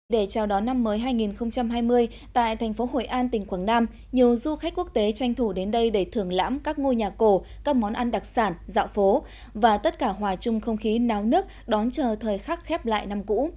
để chào đón năm mới hai nghìn hai mươi tại thành phố hội an tỉnh quảng nam nhiều du khách quốc tế tranh thủ đến đây để thưởng lãm các ngôi nhà cổ các món ăn đặc sản dạo phố và tất cả hòa chung không khí náo nước đón chờ thời khắc khép lại năm cũ